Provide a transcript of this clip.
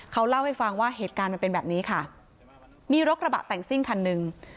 เขาเล่าให้ฟังว่าเหตุการณ์มันเป็นแบบนี้ค่ะมีรถกระบะแต่งซิ่งคันหนึ่ง